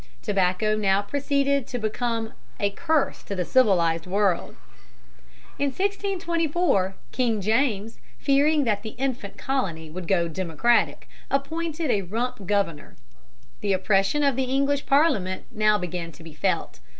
Tobacco now proceeded to become a curse to the civilized world. In 1624, King James, fearing that the infant colony would go Democratic, appointed a rump governor. The oppression of the English parliament now began to be felt.